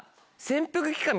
「潜伏期間」。